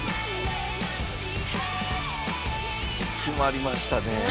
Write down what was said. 決まりましたね。